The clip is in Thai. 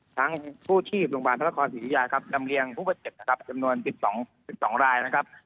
ทั้งผู้ชีพโรงพยาบาลพระราคอสิทธิญาดำเรียงผู้เจ็บจำนวน๑๒ราย